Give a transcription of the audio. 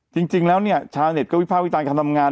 จริงแล้วเนี่ยชาวเน็ตก็วิภาควิจารณ์การทำงาน